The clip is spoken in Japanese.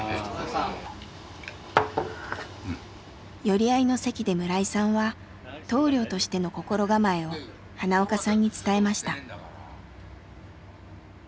寄り合いの席で村井さんは棟梁としての心構えを花岡さんに伝えました。